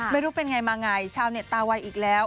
ไม่รู้เป็นไงมาไงชาวเน็ตตาไวอีกแล้ว